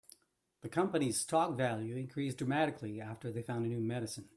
The company's stock value increased dramatically after they found a new medicine.